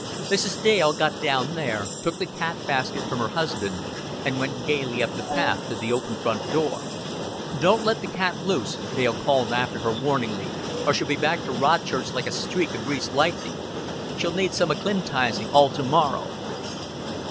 Mrs. Dale got down here, took the cat basket from her husband, and went gaily up the path to the open front door. "Don't let th' cat loose," Dale called after her warningly, "or she'll be back to Rodchurch like a streak o' greased lightning. She'll need acclim'tyzing all to morrow."